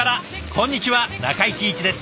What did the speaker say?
こんにちは中井貴一です。